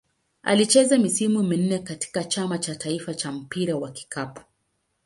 Alicheza misimu minne katika Chama cha taifa cha mpira wa kikapu.